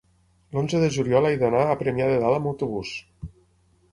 l'onze de juliol he d'anar a Premià de Dalt amb autobús.